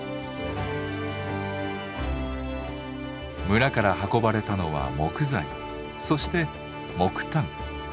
村から運ばれたのは木材そして木炭。